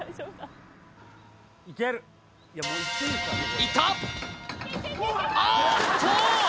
いった！